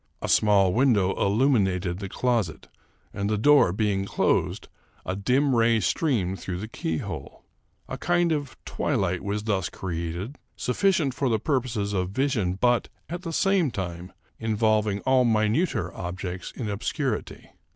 A small window illuminated the closet, and, the door being closed, a dim ray streamed through the keyhole. A kind of twilight was thus created, sufficient for the purposes of vision, but, at the same time, involving all minuter objects in obscurity.